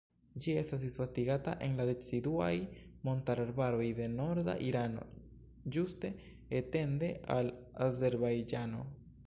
Ĝi estas disvastigata en la deciduaj montarbaroj de norda Irano, ĝuste etende al Azerbajĝano.